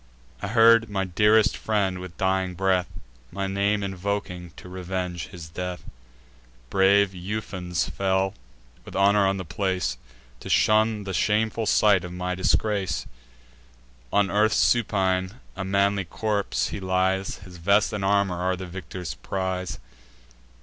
I heard my dearest friend, with dying breath, My name invoking to revenge his death. Brave Ufens fell with honour on the place, To shun the shameful sight of my disgrace. On earth supine, a manly corpse he lies; His vest and armour are the victor's prize.